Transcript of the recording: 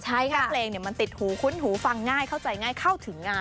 ถ้าเพลงมันติดหูคุ้นหูฟังง่ายเข้าใจง่ายเข้าถึงงาน